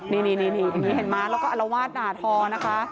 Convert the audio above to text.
นี่เห็นไหมแล้วก็อลวาสนาธอร์นะคะ